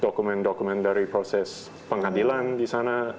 dokumen dokumen dari proses pengadilan di sana